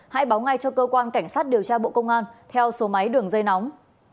hãy báo ngay cho cơ quan cảnh sát điều tra bộ công an theo số máy đường dây nóng